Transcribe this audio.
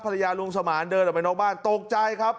ภรรยาลุงสมาร์นเดินออกไปนกบ้านตกใจครับ